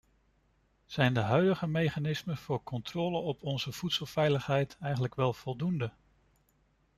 Zijn de huidige mechanismen voor controle op onze voedselveiligheid eigenlijk wel voldoende?